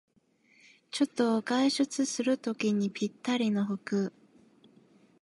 ちょっと外出するときにぴったりの服